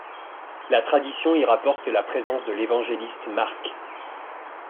La tradition y rapporte la présence de l'évangéliste Marc.